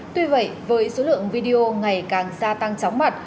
tuy vậy với số lượng video ngày càng gia tăng chóng mặt